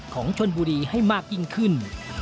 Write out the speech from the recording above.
ของชนบุรีให้มากยิ่งขึ้น